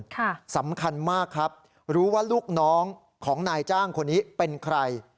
สำคัญมากครับรู้ว่าลูกน้องของนายจ้างคนนี้เป็นใคร